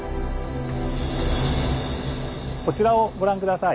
こちらをご覧下さい。